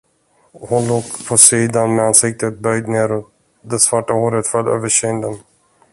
Hon låg på sidan med ansiktet böjt neråt, det svarta håret föll över kinden.